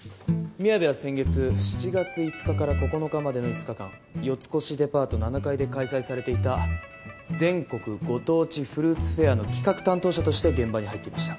宮部は先月７月５日から９日までの５日間四越デパート７階で開催されていた「全国ご当地フルーツフェア」の企画担当者として現場に入っていました。